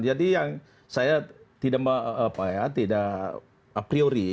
jadi yang saya tidak apriori